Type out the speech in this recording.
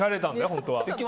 本当は。